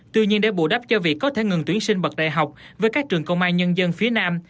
tuy nhiên để bù đắp cho việc có thể ngừng tuyển sinh bậc đại học với các trường công an nhân dân phía nam